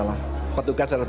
tidak ada yang salah